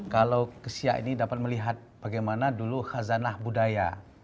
kalau ke siak ini dapat melihat bagaimana dulu khazanah budaya